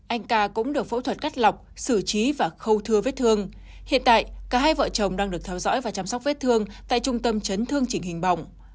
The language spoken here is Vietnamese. anh ca cũng được phẫu thuật cắt lọc xử trí và khâu thưa vết thương hiện tại cả hai vợ chồng đang được theo dõi và chăm sóc vết thương tại trung tâm chấn thương chỉnh hình bỏng